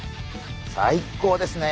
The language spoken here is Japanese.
最高ですね。